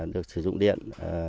được sử dụng điện